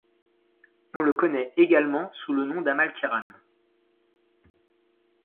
On le connait également sous le nom d'Amal Kiran.